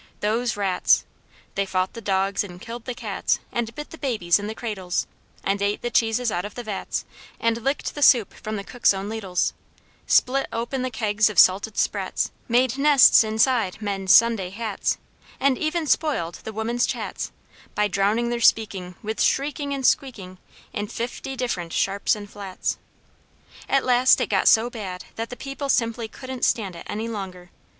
Those rats, They fought the dogs and killed the cats, And bit the babies in the cradles, And ate the cheeses out of the vats, And licked the soup from the cooks' own ladles, Split open the kegs of salted sprats, Made nests inside men's Sunday hats, And even spoiled the women's chats By drowning their speaking With shrieking and squeaking In fifty different sharps and flats! At last it got so bad that the people simply couldn't stand it any longer.